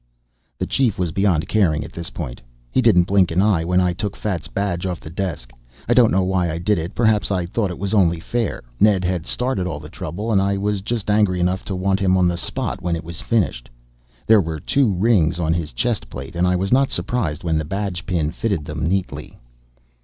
The Chief was beyond caring at this point. He didn't blink an eye when I took Fats' badge off the desk. I don't know why I did it, perhaps I thought it was only fair. Ned had started all the trouble and I was just angry enough to want him on the spot when it was finished. There were two rings on his chest plate, and I was not surprised when the badge pin fitted them neatly.